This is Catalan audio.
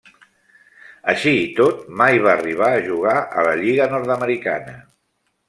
Així i tot, mai va arribar a jugar a la lliga nord-americana.